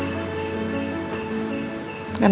aku mau ngerti apa yang kamu lakukan